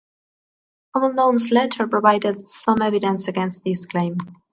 Gomeldon's letter provided some evidence against this claim.